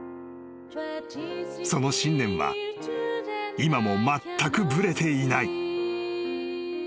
［その信念は今もまったくブレていない］